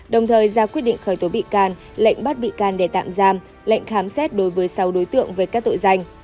đồng thời ra quyết định khởi tố bị can lệnh bắt bị can để tạm giam lệnh khám xét đối với sáu đối tượng về các tội danh